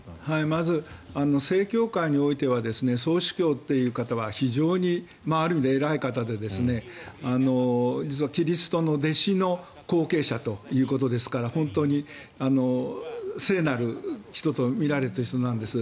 まず、正教会においては総主教という方は非常に、ある意味で偉い方で実はキリストの弟子の後継者ということですから本当に聖なる人と見られている人なんです。